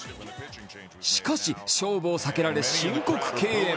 しかし勝負を避けられ、申告敬遠。